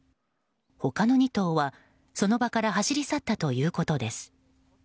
他の２頭は、その場から走り去ったということです。